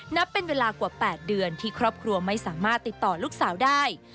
นับเป็นเวลากว่า๘เดือนที่ครอบครัวไม่สามารถติดต่อลูกสาวได้